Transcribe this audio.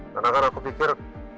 karena kan aku pikir